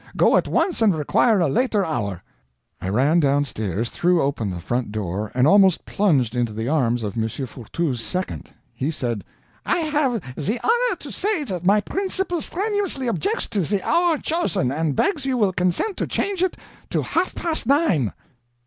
Go at once and require a later hour." I ran downstairs, threw open the front door, and almost plunged into the arms of M. Fourtou's second. He said: "I have the honor to say that my principal strenuously objects to the hour chosen, and begs you will consent to change it to half past nine."